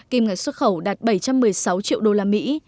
kim ngạch xuất khẩu đạt bảy trăm một mươi sáu triệu usd